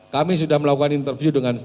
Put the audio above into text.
kami sudah melakukan interview dengan